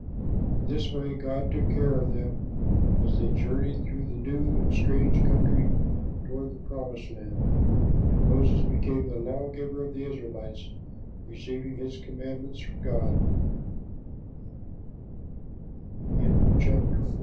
In this way God took care of them as they journeyed through the new and strange country toward the promised land, and Moses became the law giver of the Israelites, receiving his commandme